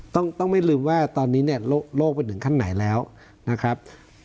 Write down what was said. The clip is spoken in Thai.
ต้องไม่ลืมว่าตอนนี้โลกเป็นหนึ่งขั้นไหนแล้วนะครับ